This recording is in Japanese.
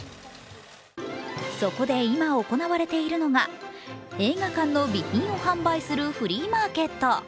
そこで今行われているのが、映画館の備品を販売するフリーマーケット。